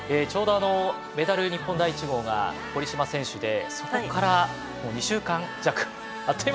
ちょうどメダル日本第一号が堀島選手で、そこから２週間弱。